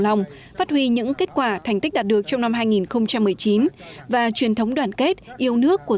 lòng phát huy những kết quả thành tích đạt được trong năm hai nghìn một mươi chín và truyền thống đoàn kết yêu nước của